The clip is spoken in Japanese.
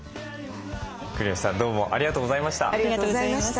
国吉さんどうもありがとうございました。